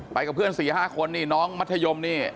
กับเพื่อน๔๕คนนี่น้องมัธยมนี่